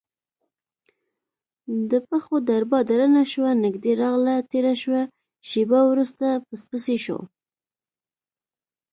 د پښو دربا درنه شوه نږدې راغله تیره شوه شېبه وروسته پسپسی شو،